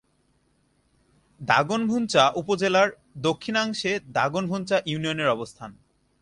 দাগনভূঞা উপজেলার দক্ষিণাংশে দাগনভূঞা ইউনিয়নের অবস্থান।